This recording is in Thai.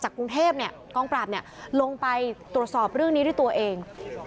กรุงเทพกองปราบลงไปตรวจสอบเรื่องนี้ด้วยตัวเอง